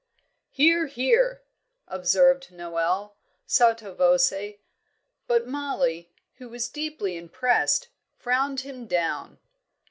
"Hear, hear!" observed Noel, sotto voce; but Mollie, who was deeply impressed, frowned him down.